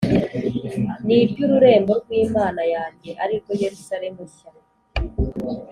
n’iry’ururembo rw’Imana yanjye ari rwo Yerusalemu nshya,